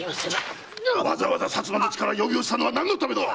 わざわざ薩摩の地から呼び寄せたのは何のためだ！